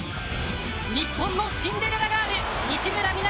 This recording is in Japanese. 日本のシンデレラガール西村弥菜